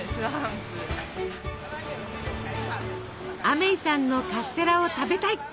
アメイさんのカステラを食べたい。